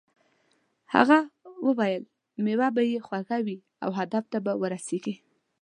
هغه وویل میوه به یې خوږه وي او هدف ته به ورسیږې.